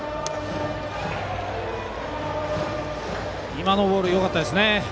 今のボールよかったです。